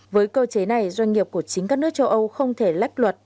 với cơ chế này doanh nghiệp của chính các nước châu âu không thể lách luật